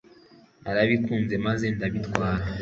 narabikunze maze ndabitwara